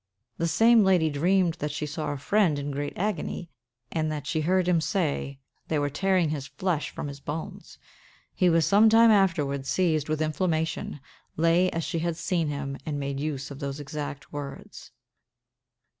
The same lady dreamed that she saw a friend in great agony, and that she heard him say they were tearing his flesh from his bones. He was some time afterward seized with inflammation, lay as she had seen him, and made use of those exact words.